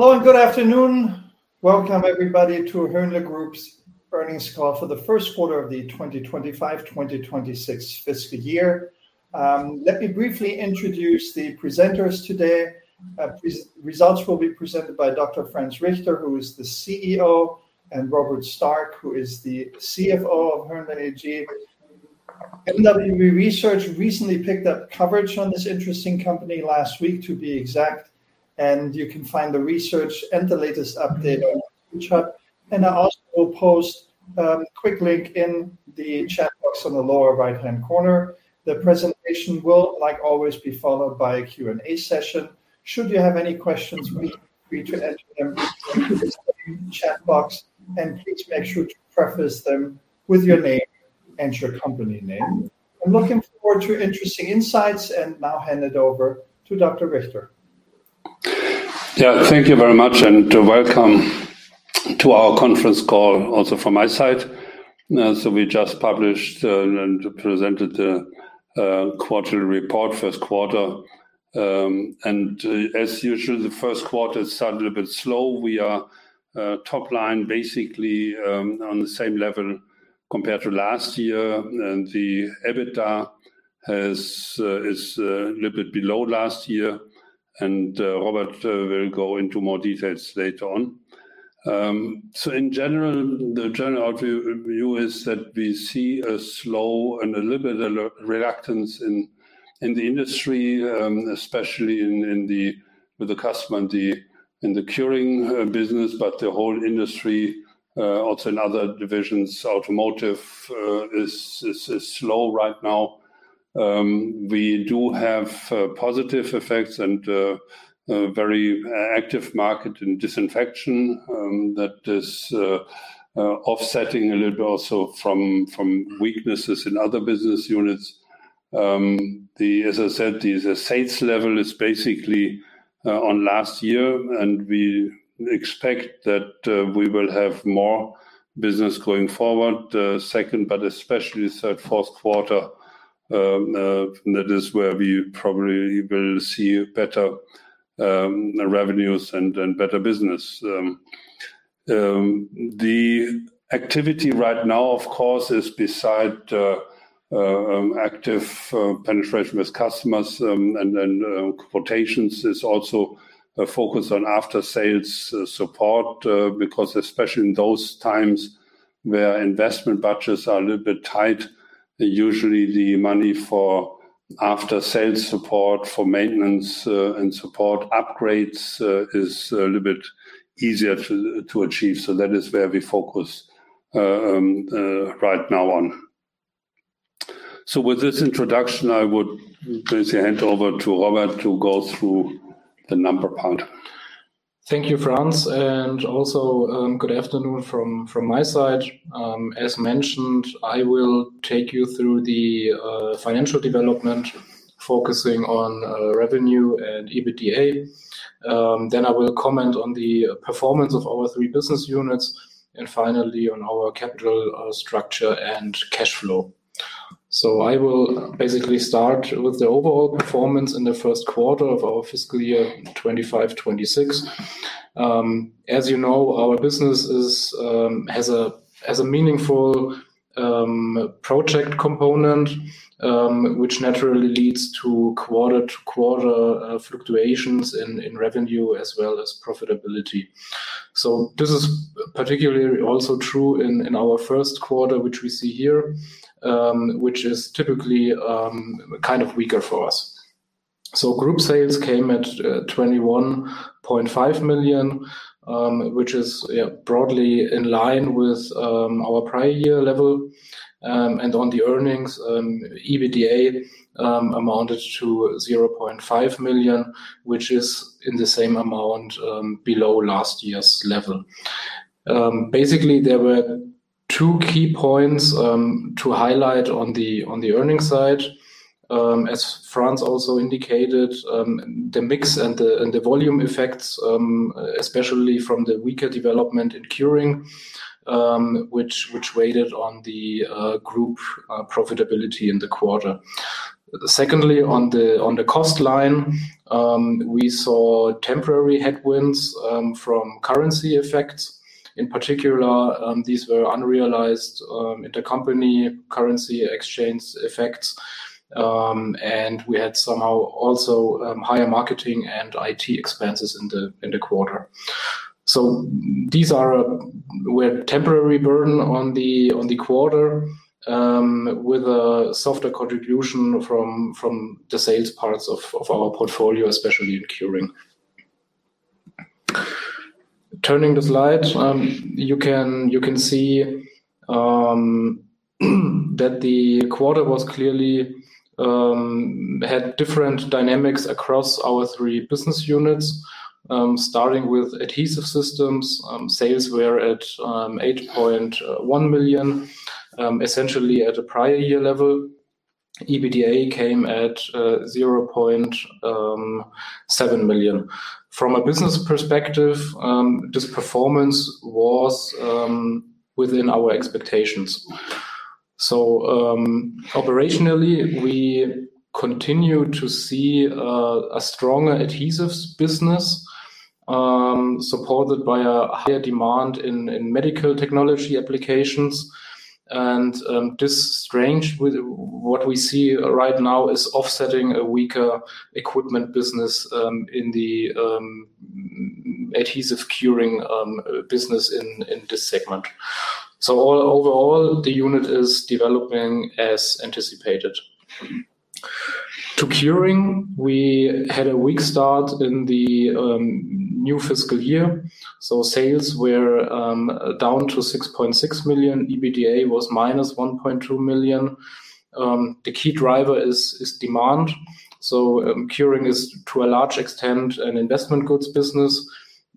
Hello and good afternoon. Welcome, everybody, to Dr. Hönle Group's earnings call for the first quarter of the 2025-2026 fiscal year. Let me briefly introduce the presenters today. Results will be presented by Dr. Franz Richter, who is the CEO, and Robert Stark, who is the CFO of Dr. Hönle AG. Mwb research recently picked up coverage on this interesting company, last week, to be exact, and you can find the research and the latest update on ResearchHub. I also will post a quick link in the chat box on the lower right-hand corner. The presentation will, like always, be followed by a Q&A session. Should you have any questions, feel free to enter them into the chat box, and please make sure to preface them with your name and your company name. I'm looking forward to your interesting insights, and now hand it over to Dr. Richter. Yeah, thank you very much, and welcome to our conference call also from my side. We just published and presented the quarterly report, first quarter. As usual, the first quarter started a bit slow. We are top line, basically, on the same level compared to last year, and the EBITDA is a little bit below last year. Robert will go into more details later on. In general, the general view is that we see a slow and a little bit of reluctance in the industry, especially with the customer in the Curing business, but the whole industry, also in other divisions, automotive, is slow right now. We do have positive effects and a very active market in Disinfection that is offsetting a little also from weaknesses in other business units. As I said, the sales level is basically on last year, and we expect that we will have more business going forward, the second, but especially third, fourth quarter. That is where we probably will see better revenues and better business. The activity right now, of course, besides active penetration with customers and quotations, is also a focus on after-sales support, because especially in those times where investment budgets are a little bit tight, usually the money for after-sales support, for maintenance and support upgrades is a little bit easier to achieve. That is where we focus right now on. With this introduction, I would basically hand over to Robert to go through the number part. Thank you, Franz, and also good afternoon from my side. As mentioned, I will take you through the financial development, focusing on revenue and EBITDA. I will comment on the performance of our three business units, and finally on our capital structure and cash flow. I will basically start with the overall performance in the first quarter of our fiscal year 2025-2026. As you know, our business has a meaningful project component, which naturally leads to quarter-to-quarter fluctuations in revenue as well as profitability. This is particularly also true in our first quarter, which we see here, which is typically kind of weaker for us. Group sales came at 21.5 million, which is broadly in line with our prior year level. On the earnings, EBITDA amounted to 0.5 million, which is in the same amount below last year's level. Basically, there were two key points to highlight on the earnings side, as Franz also indicated, the mix and the volume effects, especially from the weaker development in Curing, which weighed on the group profitability in the quarter. Secondly, on the cost line, we saw temporary headwinds from currency effects. In particular, these were unrealized intercompany currency exchange effects, and we had somehow also higher marketing and IT expenses in the quarter. These were temporary burden on the quarter, with a softer contribution from the sales parts of our portfolio, especially in Curing. Turning the slide, you can see that the quarter clearly had different dynamics across our three business units. Starting with Adhesive Systems, sales were at 8.1 million, essentially at a prior year level. EBITDA came at 0.7 million. From a business perspective, this performance was within our expectations. Operationally, we continue to see a stronger adhesives business supported by a higher demand in medical technology applications. This range with what we see right now is offsetting a weaker equipment business in the adhesive Curing business in this segment. Overall, the unit is developing as anticipated. To Curing, we had a weak start in the new fiscal year, so sales were down to 6.6 million. EBITDA was -1.2 million. The key driver is demand. Curing is, to a large extent, an investment goods business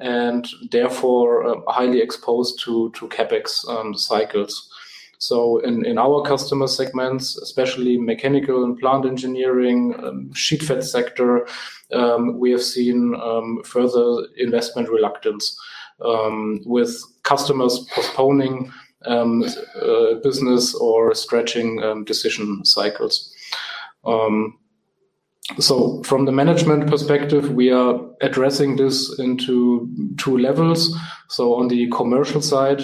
and therefore highly exposed to CapEx cycles. In our customer segments, especially mechanical and plant engineering, sheetfed sector, we have seen further investment reluctance with customers postponing business or stretching decision cycles. From the Management perspective, we are addressing this into two levels. On the commercial side,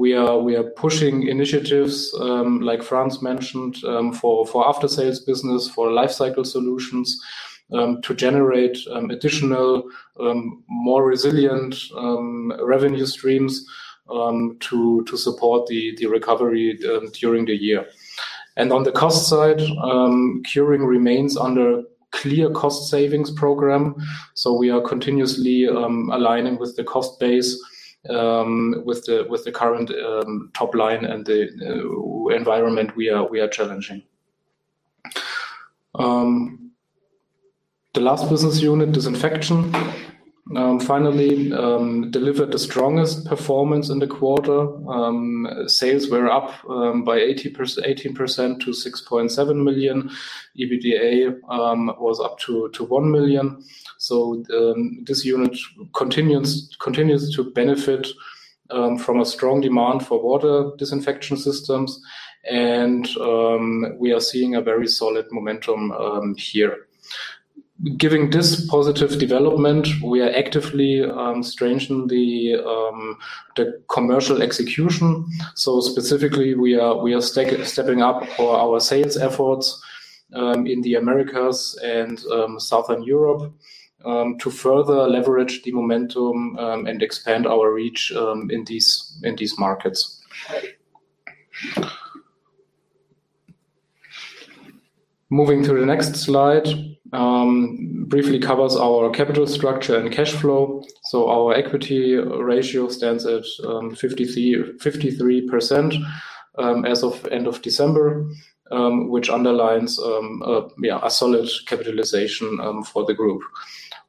we are pushing initiatives, like Franz mentioned, for after-sales business, for lifecycle solutions, to generate additional, more resilient revenue streams to support the recovery during the year. On the cost side, Curing remains under clear cost-savings program, so we are continuously aligning with the cost base, with the current top line and the environment we are challenging. The last business unit, Disinfection, finally delivered the strongest performance in the quarter. Sales were up by 18% to 6.7 million. EBITDA was up to 1 million. This unit continues to benefit from a strong demand for water disinfection systems and we are seeing a very solid momentum here. Given this positive development, we are actively strengthening the commercial execution. Specifically, we are stepping up for our sales efforts in the Americas and Southern Europe to further leverage the momentum and expand our reach in these markets. Moving to the next slide, it briefly covers our capital structure and cash flow. Our equity ratio stands at 53% as of end of December, which underlines a solid capitalization for the Group.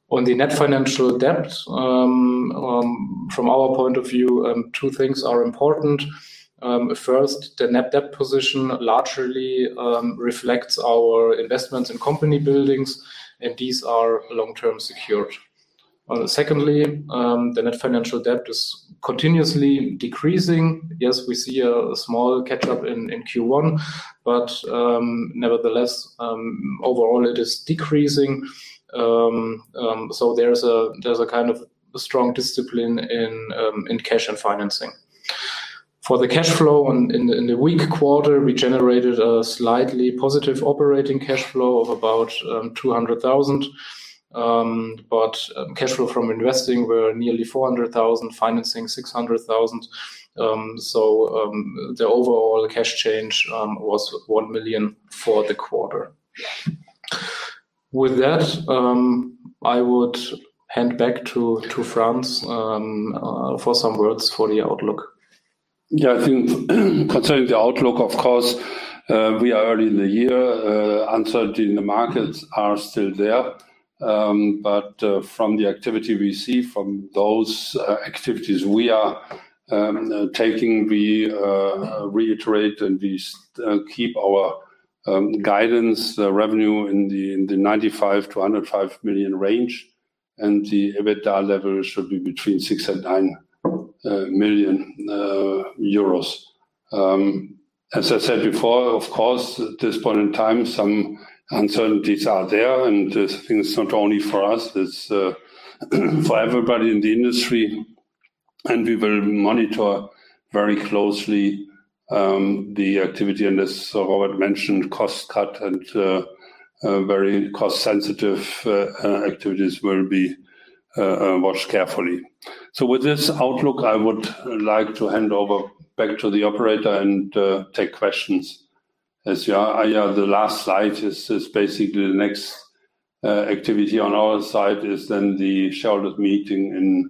On the net financial debt, from our point of view, two things are important. First, the net debt position largely reflects our investments in company buildings, and these are long-term secured. Secondly, the net financial debt is continuously decreasing. Yes, we see a small catch-up in Q1, but nevertheless, overall it is decreasing. There's a kind of strong discipline in cash and financing. For the cash flow in the weak quarter, we generated a slightly positive operating cash flow of about 200,000. Cash flow from investing were nearly 400,000, financing 600,000. The overall cash change was 1 million for the quarter. With that, I would hand back to Franz for some words for the outlook. Yeah, I think concerning the outlook, of course, we are early in the year. Uncertainty in the markets are still there. From the activity we see from those activities we are taking, we reiterate and keep our guidance revenue in the 95 million-105 million range, and the EBITDA level should be between 6 million and 9 million euros. As I said before, of course, at this point in time, some uncertainties are there, and I think it's not only for us, it's for everybody in the industry, and we will monitor very closely the activity. As Robert mentioned, cost cut and very cost-sensitive activities will be watched carefully. With this outlook, I would like to hand over back to the operator and take questions. As you have the last slide, the next activity on our side is then the shareholders' meeting in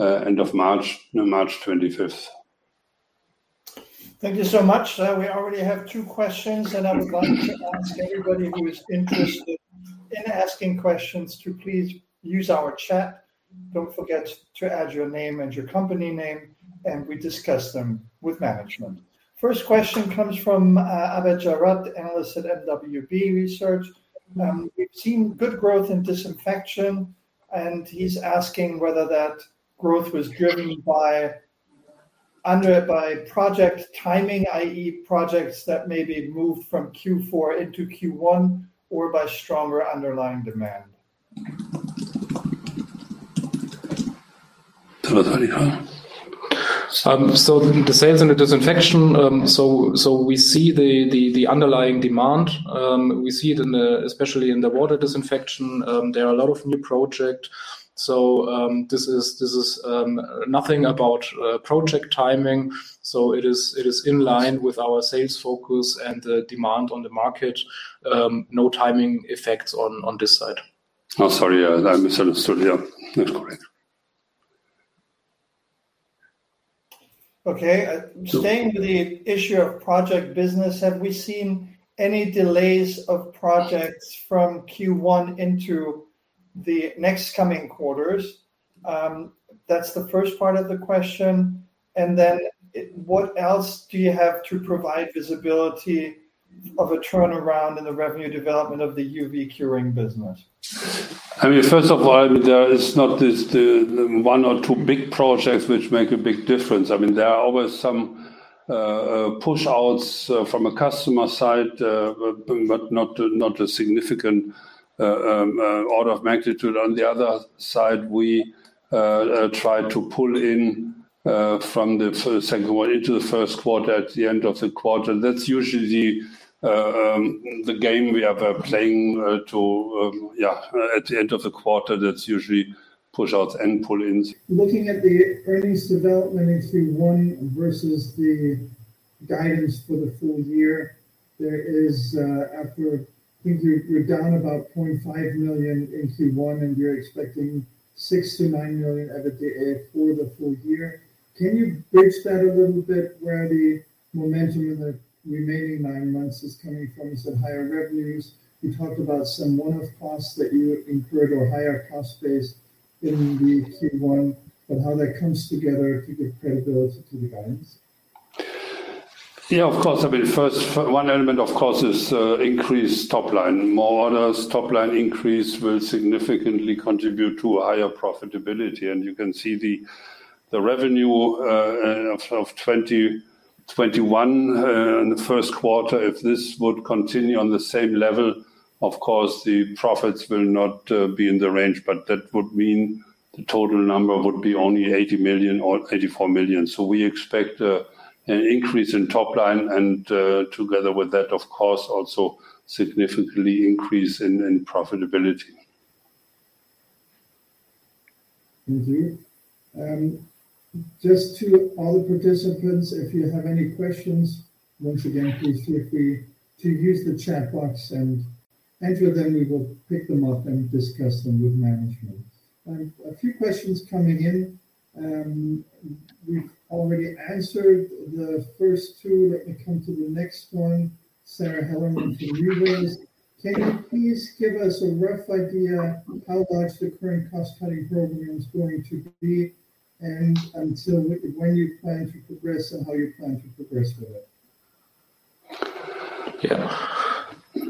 end of March, on March 25th. Thank you so much. We already have two questions, and I would like to ask everybody who is interested in asking questions to please use our chat. Don't forget to add your name and your company name, and we discuss them with management. First question comes from Patrick Mayerhofer, Analyst at mwb research. We've seen good growth in Disinfection, and he's asking whether that growth was driven by project timing, i.e., projects that may be moved from Q4 into Q1, or by stronger underlying demand. The sales and the Disinfection, we see the underlying demand. We see it especially in the water disinfection. There are a lot of new projects. This is nothing about project timing. It is in line with our sales focus and the demand on the market. No timing effects on this side. No, sorry. Staying to the issue of project business, have we seen any delays of projects from Q1 into the next coming quarters? That's the first part of the question. What else do you have to provide visibility of a turnaround in the revenue development of the UV Curing business? First of all, there is not one or two big projects which make a big difference. There are always some push-outs from a customer side, but not a significant order of magnitude. On the other side, we try to pull in from the second quarter into the first quarter at the end of the quarter. That's usually the game we are playing at the end of the quarter. That's usually push-outs and pull-ins. Looking at the earnings development in Q1 versus the guidance for the full year, I think you're down about 0.5 million in Q1, and you're expecting 6 million-9 million EBITDA for the full year. Can you bridge that a little bit, where the momentum in the remaining nine months is coming from some higher revenues? You talked about some one-off costs that you incurred or higher cost base in the Q1, but how that comes together to give credibility to the guidance? Yeah, of course. First, one element of course, is increased top line. More orders, top line increase will significantly contribute to higher profitability. You can see the revenue of 2021 in the first quarter. If this would continue on the same level, of course, the profits will not be in the range, but that would mean the total number would be only 80 million or 84 million. We expect an increase in top line and, together with that, of course, also significantly increase in profitability. Mm-hmm. Just to all the participants, if you have any questions, once again, please feel free to use the chat box and enter them. We will pick them up and discuss them with management. A few questions coming in. We've already answered the first two. Let me come to the next one. Sandra Stöckl from. Can you please give us a rough idea how large the current cost-cutting program is going to be, and when you plan to progress and how you plan to progress with it? Yeah.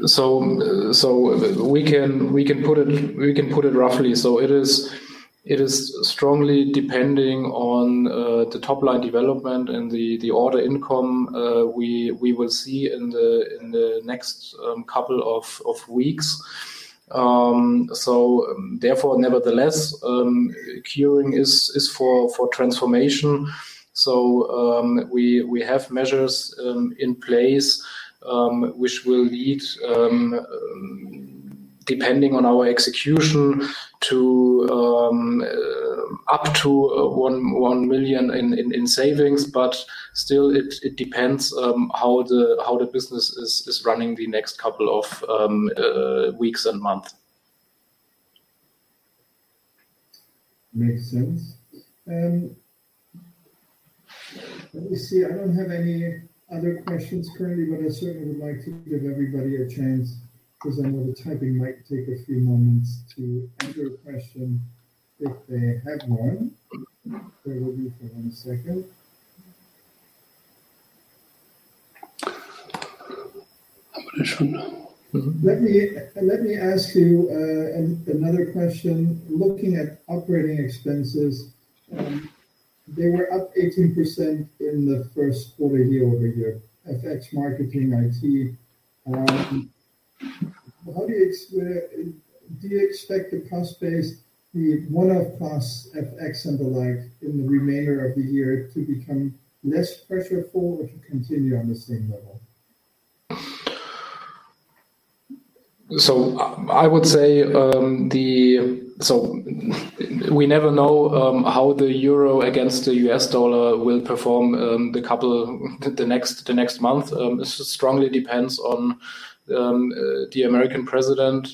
So we can put it roughly. So it is strongly depending on the top-line development and the order income we will see in the next couple of weeks. So therefore, nevertheless, Curing is for transformation. So, we have measures in place which will lead, depending on our execution, up to one million in savings. But still, it depends how the business is running the next couple of weeks and months. Makes sense. Let me see. I don't have any other questions currently, but I certainly would like to give everybody a chance, because I know the typing might take a few moments to enter a question if they have one. Bear with me for one second. Let me ask you another question. Looking at operating expenses, they were up 18% in the first YoY, FX, marketing, IT. Do you expect the cost base, the one-off costs, FX and the like in the remainder of the year to become less pressure-full or to continue on the same level? We never know how the euro against the U.S. dollar will perform the next month. It strongly depends on the American President,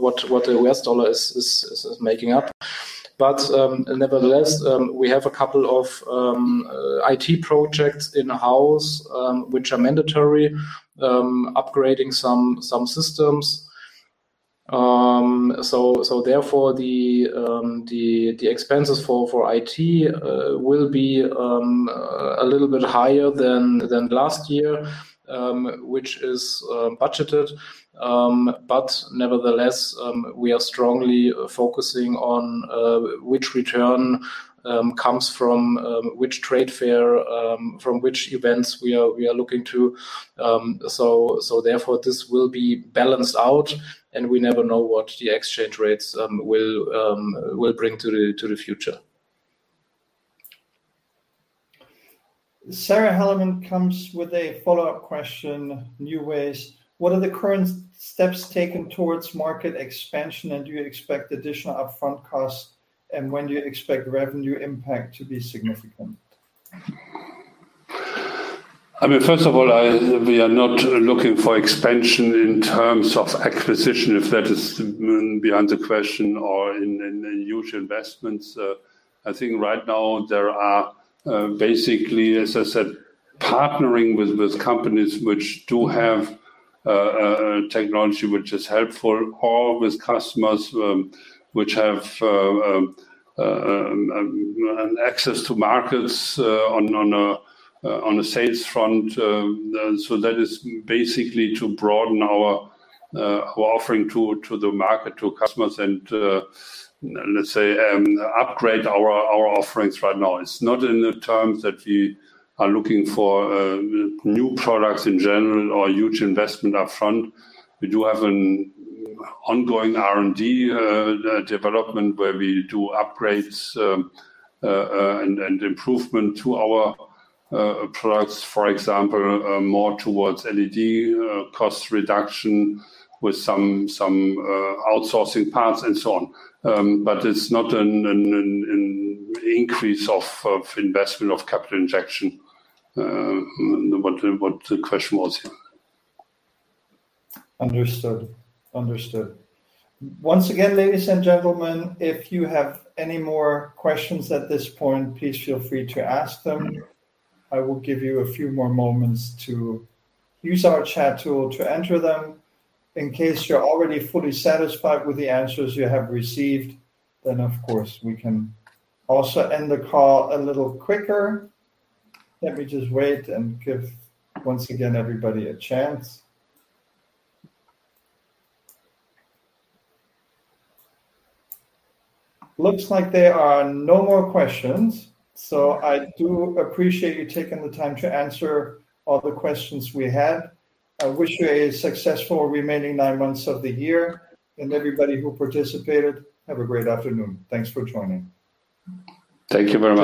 what the U.S. dollar is making up. Nevertheless, we have a couple of IT projects in-house, which are mandatory, upgrading some systems. Therefore, the expenses for IT will be a little bit higher than last year, which is budgeted. Nevertheless, we are strongly focusing on which return comes from which trade fair, from which events we are looking to. Therefore, this will be balanced out, and we never know what the exchange rates will bring to the future. Sandra Stöckl comes with a follow-up question. Anyways, what are the current steps taken towards market expansion, and do you expect additional upfront costs? When do you expect revenue impact to be significant? First of all, we are not looking for expansion in terms of acquisition, if that is behind the question, or in huge investments. I think right now there are basically, as I said, partnering with companies which do have technology which is helpful, or with customers which have access to markets on a sales front. That is basically to broaden our offering to the market, to customers, and let's say, upgrade our offerings right now. It's not in the terms that we are looking for new products in general or huge investment upfront. We do have an ongoing R&D development where we do upgrades and improvement to our products, for example, more towards LED, cost reduction with some outsourcing parts and so on. It's not an increase of investment, of capital injection, what the question was here. Understood. Once again, ladies and gentlemen, if you have any more questions at this point, please feel free to ask them. I will give you a few more moments to use our chat tool to enter them. In case you're already fully satisfied with the answers you have received, then, of course, we can also end the call a little quicker. Let me just wait and give, once again, everybody a chance. Looks like there are no more questions. I do appreciate you taking the time to answer all the questions we had. I wish you a successful remaining nine months of the year, and everybody who participated, have a great afternoon. Thanks for joining. Thank you very much.